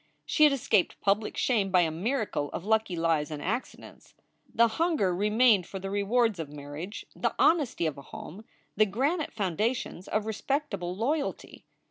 She had escaped public shame by a miracle of lucky lies and accidents. The hunger remained for the rewards of marriage, the hon esty of a home, the granite foundations of respectable loyalty.